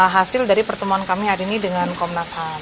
hasil dari pertemuan kami hari ini dengan komnas ham